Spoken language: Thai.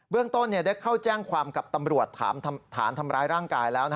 เรื่องต้นได้เข้าแจ้งความกับตำรวจฐานทำร้ายร่างกายแล้ว